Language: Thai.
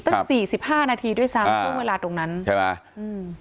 ตั้งสี่สิบห้านาทีด้วยซ้ำช่วงเวลาตรงนั้นใช่ไหมอืม